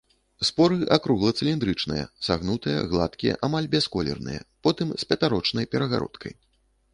Споры акругла-цыліндрычныя, сагнутыя, гладкія, амаль бясколерныя, потым з папярочнай перагародкай.